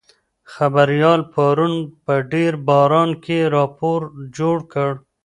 خبریال پرون په ډېر باران کې راپور جوړ کړ.